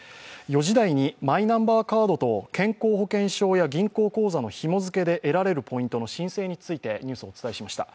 ４時台にマイナンバーカードと健康保険証や銀行口座とひも付けで得られるポイントの申請についてニュースをお伝えしました。